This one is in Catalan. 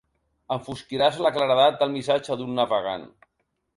Enfosquiràs la claredat del missatge d'un navegant.